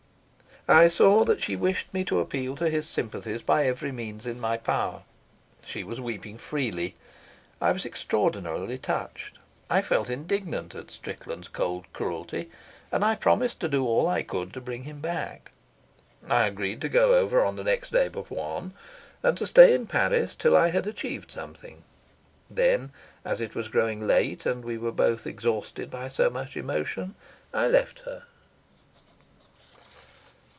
I saw that she wished me to appeal to his sympathies by every means in my power. She was weeping freely. I was extraordinarily touched. I felt indignant at Strickland's cold cruelty, and I promised to do all I could to bring him back. I agreed to go over on the next day but one, and to stay in Paris till I had achieved something. Then, as it was growing late and we were both exhausted by so much emotion, I left her.